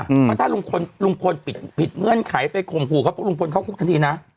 เพราะถ้าลุงพลผิดเงื่อนไขไปคงผู้เพราะว่าลุงพลเข้าคุกทันทีนะ